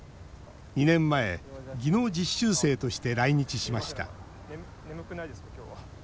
２年前、技能実習生として来日しました。